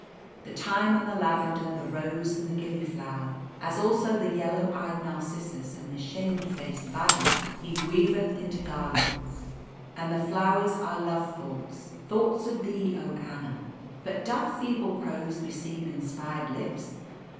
The thyme and the lavender, the rose and the gilliflower, as also the yellow eyed narcissus and the shamefaced violet he weaveth into garlands. And the flowers are love thoughts thoughts of thee, oh, Anna! But doth feeble prose beseem inspired lips?